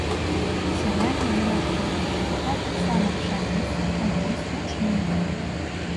Сяляне вырошчвалі жыта, а таксама пшаніцу, авёс, ячмень.